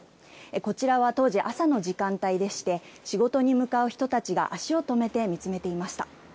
こちらは当時、朝の時間帯でして、仕事に向かう人たちが足を止めて見つめていました。